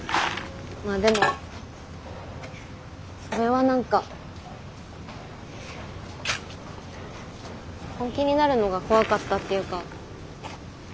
まあでもそれは何か本気になるのが怖かったっていうか。